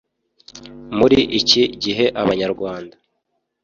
Muri iki gihe Abanyarwanda